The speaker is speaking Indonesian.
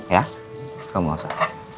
ya kamu enggak usah